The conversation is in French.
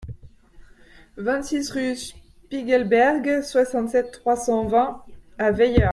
vingt-six rue Spiegelberg, soixante-sept, trois cent vingt à Weyer